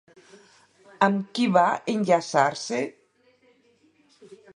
Amb qui va enllaçar-se?